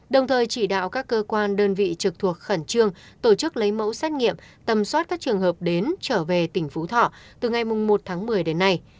đồng thời chỉ đạo các cơ quan đơn vị trực thuộc khẩn trương tổ chức lấy mẫu xét nghiệm tầm soát các trường hợp đến trở về tỉnh phú thọ từ ngày một tháng một mươi đến nay